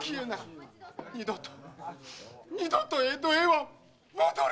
二度と二度と江戸へは戻れないんだぁ！